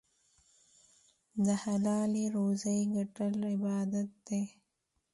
د حلالې روزۍ ګټل عبادت دی.